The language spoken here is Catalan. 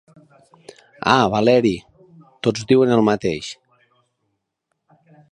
Ah, Valeri! Tots diuen el mateix.